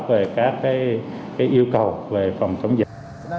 về các yêu cầu về phòng chống dịch